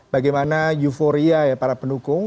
bagaimana euforia ya para pendukung